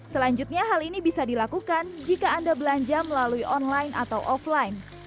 selanjutnya hal ini bisa dilakukan jika anda belanja melalui online atau offline